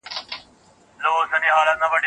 دا اوس د دعــا پــــر پـاڼـه